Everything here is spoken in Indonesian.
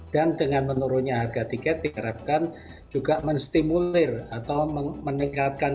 dan dengan menurunnya harga tiket diharapkan juga menstimulir atau meningkatkan